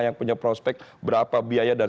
yang punya prospek berapa biaya dan